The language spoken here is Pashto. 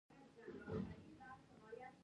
هریرود فالټ لاین فعال دی که نه؟